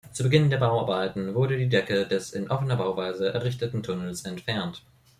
Zu Beginn der Bauarbeiten wurde die Decke des in offener Bauweise errichteten Tunnels entfernt.